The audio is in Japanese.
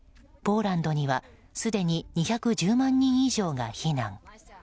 ポーランドにはすでに２１０万人以上が避難。